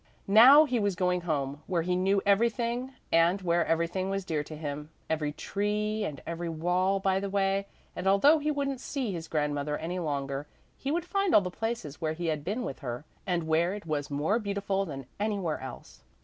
Now he was going home, where he knew everything and where everything was dear to him, every tree and every wall by the way; and although he wouldn't see his grandmother any longer, he would find all the places where he had been with her and where it was more beautiful than anywhere else.